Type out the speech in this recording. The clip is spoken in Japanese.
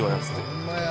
ホンマや。